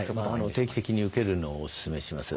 定期的に受けるのをおすすめします。